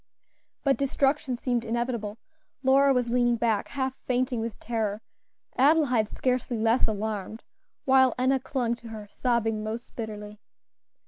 But destruction seemed inevitable. Lora was leaning back, half fainting with terror; Adelaide scarcely less alarmed, while Enna clung to her, sobbing most bitterly.